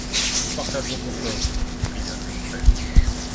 Nous partagerons ton sort, cria Combeferre.